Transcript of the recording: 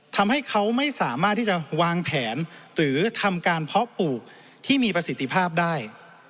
ทำให้เขาไม่สามารถที่จะวางแผนหรือทำการเพาะปลูกที่มีประสิทธิภาพได้